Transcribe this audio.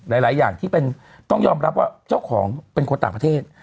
หลายอย่างที่ต้องยอมรับว่าเจ้าของเป็นคนต่างประเทศ